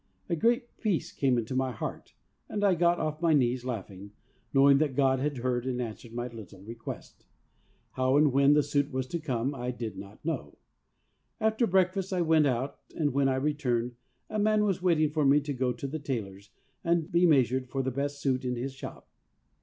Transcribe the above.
A great peace came into my heart, and I got off my knees laughing, knowing that God had heard and answered my little request. How and when 90 THE WAY OF HOLINESS the suit was to come I did not know. After breakfast I went out, and when I returned a man was waiting for me to go to the tailor's and be measured for the best suit in his shop.